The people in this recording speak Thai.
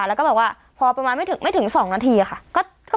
แล้วก็บอกว่าพอประมาณไม่ถึงไม่ถึงสองนาทีอะค่ะก็ก็